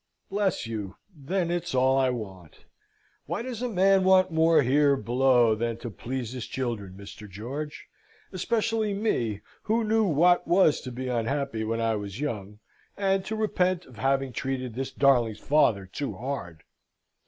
"Bless you! then it's all I want. What does a man want more here below than to please his children, Mr. George? especially me, who knew what was to be unhappy when I was young, and to repent of having treated this darling's father too hard."